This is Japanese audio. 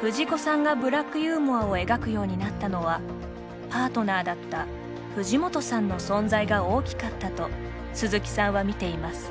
藤子さんがブラックユーモアを描くようになったのはパートナーだった藤本さんの存在が大きかったと鈴木さんは見ています。